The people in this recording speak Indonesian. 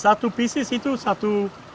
satu keras itu satu